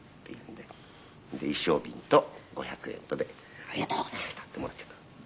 で一升瓶と５００円とでありがとうございましたってもらっちゃったんです。